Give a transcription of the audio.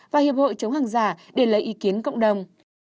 và hiệp hội chống hàng giả để lấy ý kiến cộng đồng